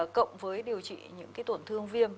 cộng với điều trị những tổn thương viêm